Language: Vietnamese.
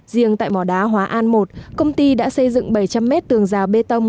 riêng tại mỏ đá hóa an một công ty đã xây dựng bảy trăm linh mét tường rào bê tông